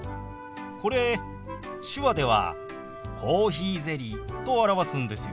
これ手話では「コーヒーゼリー」と表すんですよ。